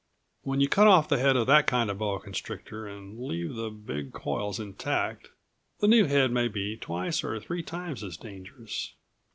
When you cut off the head of that kind of boa constrictor and leave the big coils intact the new head may be twice or three times as dangerous.